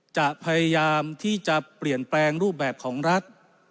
จะพยายามที่จะเปลี่ยนแปลงรูปแบบของรัฐ